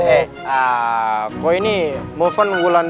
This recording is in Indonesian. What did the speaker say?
eh kok ini mau fun minggu lalu